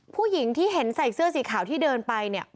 ผู้หญิงที่เห็นใส่เสื้อสีขาวที่เดินไปเนี่ย